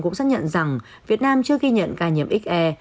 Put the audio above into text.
cũng xác nhận rằng việt nam chưa ghi nhận ca nhiễm xr